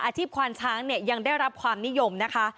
อาชีพควานช้างยังได้รับความนิยมนะคะ